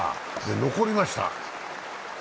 残りました。